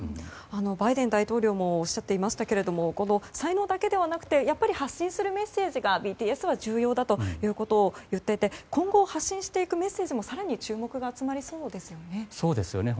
バイデン大統領もおっしゃっていましたが才能だけでなくて発信するメッセージがＢＴＳは重要だということを言っていて今後発信していくメッセージも更に注目が集まりそうですよね。